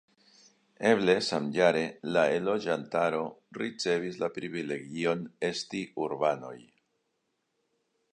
Eble samjare la enloĝantaro ricevis la privilegion esti urbanoj.